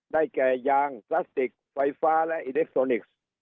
ใกล้แก่ยางซาสติกไฟฟ้าและอิเล็กโซนิกซ์